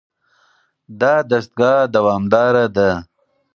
دا دستګاه دوامداره ده.